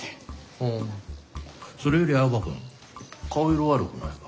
あぁそれより青葉くん顔色悪くないか？